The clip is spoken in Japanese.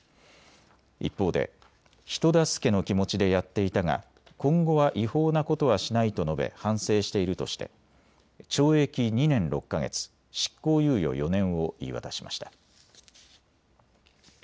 一方で人助けの気持ちでやっていたが今後は違法なことはしないと述べ反省しているとして懲役２年６か月、執行猶予４年を言い渡しました。